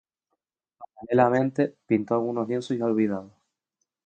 Paralelamente, pintó algunos lienzos ya olvidados.